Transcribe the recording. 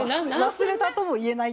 忘れたとも言えない。